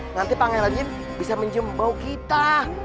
nanti pangeran jin bisa menjembau kita